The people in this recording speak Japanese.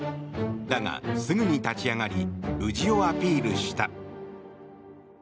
だが、すぐに立ち上がり無事をアピールした。